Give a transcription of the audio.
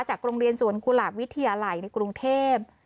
จากโรงเรียนสวนกุหลาบวิทยาไหล่ในกรุงเทพฯ